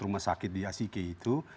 rumah sakit di asike itu